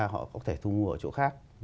họ có thể thu mua ở chỗ khác